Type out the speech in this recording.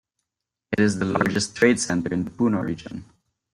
It is the largest trade center in the Puno region.